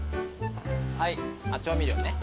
はい調味料ね。